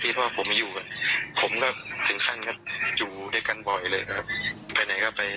ไปไหนก็ไปด้วยกัน